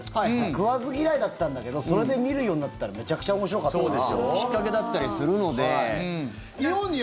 食わず嫌いだったんだけどそれで見るようになったらめちゃくちゃ面白かったから。